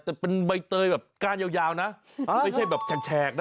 แต่เป็นใบเตยแบบก้านยาวนะไม่ใช่แบบแฉกนะ